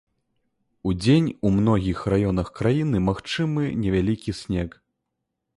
Удзень у многіх раёнах краіны магчымы невялікі снег.